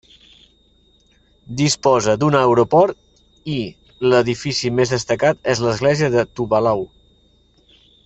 Disposa d'un aeroport i l'edifici més destacat és l'església de Tuvalu.